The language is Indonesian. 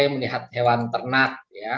yang melihat hewan ternak